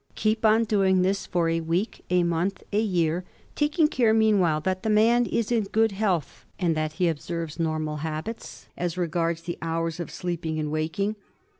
Keep on doing this for a week, a month, a year, taking care meanwhile that the man is in good health, and that he observes normal habits as regards the hours of sleeping and waking.